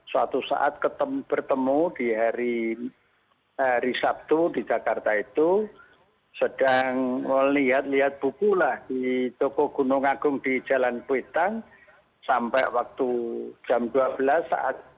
suatu saat bertemu di hari sabtu di jakarta itu sedang melihat lihat buku lah di toko gunung agung di jalan kuitang sampai waktu jam dua belas saat